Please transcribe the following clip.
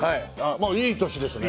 もういい年ですね。